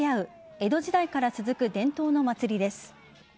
江戸時代から続く伝統の祭りです。